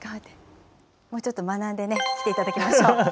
もうちょっと学んでいただきましょう。